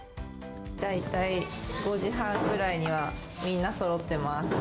大体５時半ぐらいには、みんなそろってます。